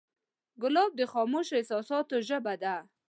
ګلاب د خاموشو احساساتو ژبه ده.